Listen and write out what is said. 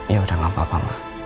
ya udah gak apa apa lah